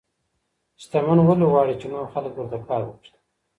شتمن ولي غواړي چي نور خلګ ورته کار وکړي؟